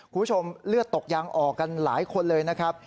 คุณผู้ชมเลือดตกยางออกกันหลายคนเลยนะครับ